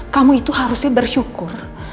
kamu itu harusnya bersyukur